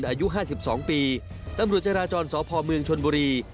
อายุ๕๒ปีตำรวจจราจรสพเมืองชนบุรี